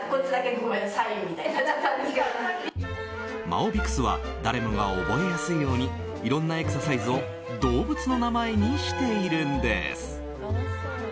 マオビクスは誰もが覚えやすいようにいろんなエクササイズを動物の名前にしているんです。